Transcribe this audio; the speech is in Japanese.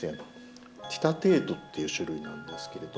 「テイタテイト」っていう種類なんですけれども。